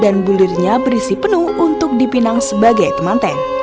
dan bulirnya berisi penuh untuk dipinang sebagai temanten